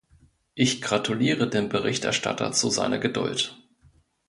Ich gratuliere dem Berichterstatter zu seiner Geduld.